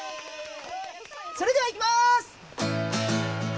それではいきます！